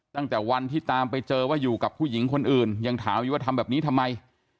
ตั้งแต่วันที่ตามไปเจอว่าอยู่กับผู้หญิงคนอื่นยังถามอยู่ว่าทำแบบนี้ทำไม